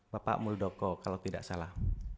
bapak muldoko kalau tidak salah